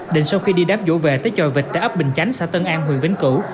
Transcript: định sau khi đi đáp rủ về tới tròi vịt tại ấp bình chánh xã tân an huyện vĩnh cửu